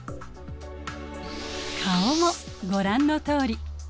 顔もご覧のとおり。